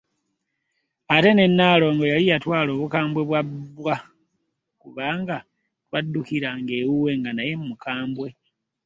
Ate ne Nnaalongo yali yatwala obukambwe bwa bba kubanga twaddukiranga ewuwe naye nga mukambwe.